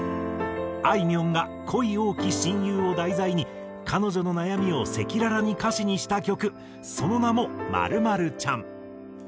あいみょんが恋多き親友を題材に彼女の悩みを赤裸々に歌詞にした曲その名も『○○ちゃん』。